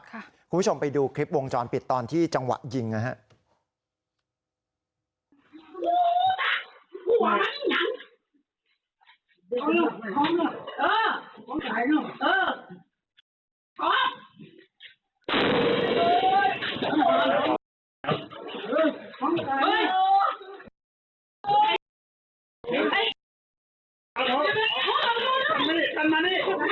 คุณผู้ชมไปดูคลิปวงจรปิดตอนที่จังหวะยิงนะครับ